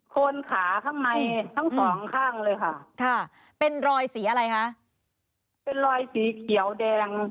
คนขาข้างในทั้งสองข้างเลยค่ะค่ะเป็นรอยสีอะไรคะเป็นรอยสีเขียวแดง